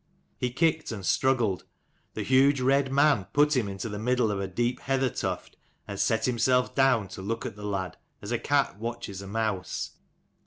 He kicked and struggled ; the huge red man put him into the middle 90 of a deep heather tuft, and set himself down to look at the lad, as a cat watches a mouse.